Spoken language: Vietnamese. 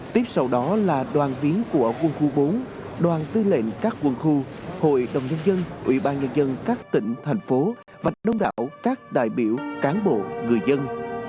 tiếp sau đó là đoàn viên của quân khu bốn đoàn tư lệnh các quân khu hội đồng nhân dân ủy ban nhân dân các tỉnh thành phố và đông đảo các đại biểu cán bộ người dân